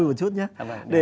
một chút nhé